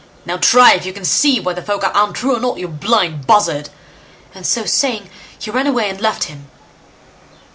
"Now, try if you can see whether folk are untrue or not, you blind buzzard!" and so saying, he ran away and left him.